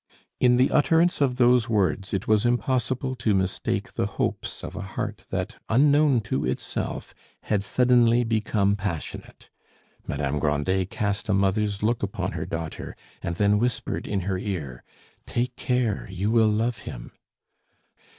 In the utterance of those words it was impossible to mistake the hopes of a heart that, unknown to itself, had suddenly become passionate. Madame Grandet cast a mother's look upon her daughter, and then whispered in her ear, "Take care, you will love him!"